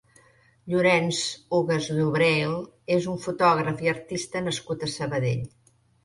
Llorenç Ugas Dubreuil és un fotògraf i artista nascut a Sabadell.